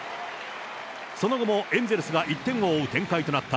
その後もエンゼルスが１点を追う展開となった